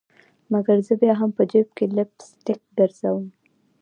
مګر زه بیا هم په جیب کي لپ سټک ګرزوم